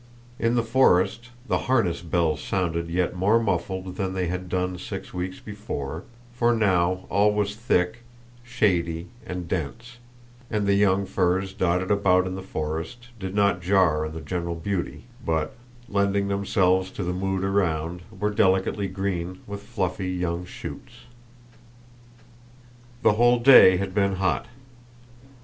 In the forest the harness bells sounded yet more muffled than they had done six weeks before, for now all was thick, shady, and dense, and the young firs dotted about in the forest did not jar on the general beauty but, lending themselves to the mood around, were delicately green with fluffy young shoots. The whole day had been hot.